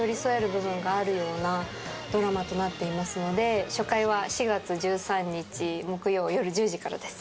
部分があるようなドラマとなっていますので初回は４月１３日木曜夜１０時からです。